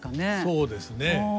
そうですね。